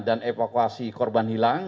dan evakuasi korban hilang